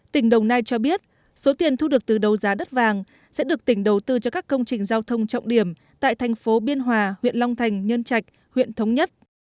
tỉnh đồng nai cho biết số tiền thu được từ đấu giá đất vàng sẽ được tỉnh đầu tư cho các công trình giao thông trọng điểm tại thành phố biên hòa huyện long thành nhân trạch huyện thống nhất